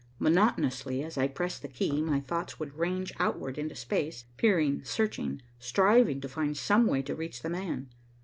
Monotonously, as I pressed the key, my thoughts would range outward into space, peering, searching, striving to find some way to reach the man.